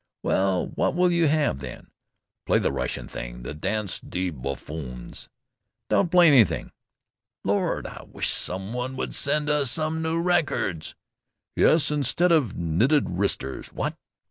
"Well, what will you have, then?" "Play that Russian thing, the 'Danse des Buffons.'" "Don't play anything." "Lord! I wish some one would send us some new records." "Yes, instead of knitted wristers what?"